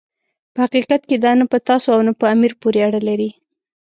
په حقیقت کې دا نه په تاسو او نه په امیر پورې اړه لري.